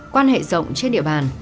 quan hệ rộng trên địa bàn